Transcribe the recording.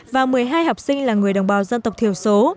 và một mươi hai học sinh là người đồng bào dân tộc thiểu số